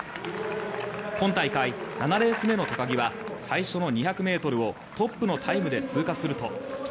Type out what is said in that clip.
今大会７レース目の高木は最初の２００ｍをトップのタイムで通過すると。